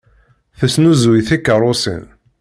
Tesnuzuy tikeṛṛusin.